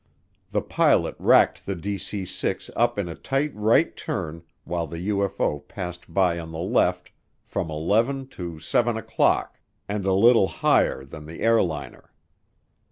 The pilot racked the DC 6 up in a tight right turn while the UFO passed by on the left "from eleven to seven o'clock" and a little higher than the airliner.